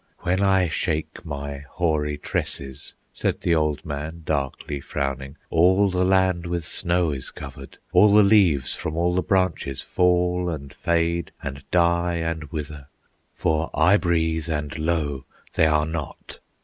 "When I shake my hoary tresses," Said the old man darkly frowning, "All the land with snow is covered; All the leaves from all the branches Fall and fade and die and wither, For I breathe, and lo! they are not.